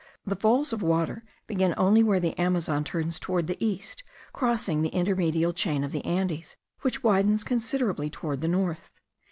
The falls of water begin only where the Amazon turns toward the east, crossing the intermedial chain of the Andes, which widens considerably toward the north.